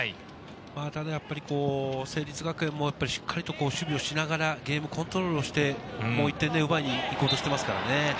ただやっぱり成立学園もしっかりと守備をしながらゲームコントロールをして、もう１点奪いに行こうとしていますからね。